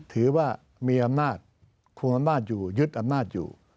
ถือว่ามีอำนาจคุมอำนาจอยู่ยึดอำนาจอยู่